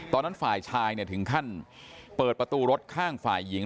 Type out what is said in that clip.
ฝ่ายชายถึงขั้นเปิดประตูรถข้างฝ่ายหญิง